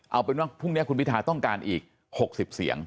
เอาเป็นว่าพรุ่งนี้คุณพิทาต้องการอีก๖๐เสียง